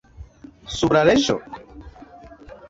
Sub la leĝo?